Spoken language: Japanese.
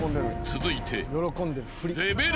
［続いて］